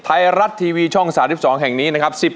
ไทยรัฐทีวีช่อง๓๒แห่งนี้นะครับ